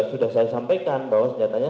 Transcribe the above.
sudah saya sampaikan bahwa senjatanya